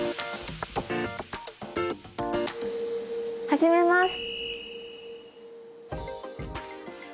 始めます。